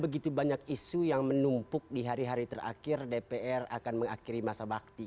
begitu banyak isu yang menumpuk di hari hari terakhir dpr akan mengakhiri masa bakti